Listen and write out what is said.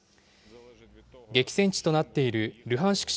激戦地となっているルハンシク